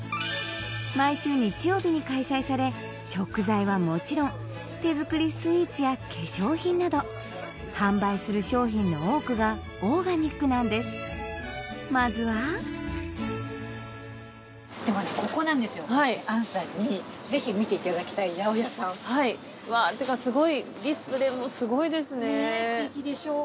毎週日曜日に開催され食材はもちろん手作りスイーツや化粧品など販売する商品の多くがオーガニックなんですまずはここなんですよはい杏さんにぜひ見ていただきたい八百屋さんわあてかすごいディスプレイもすごいですねねえ素敵でしょう？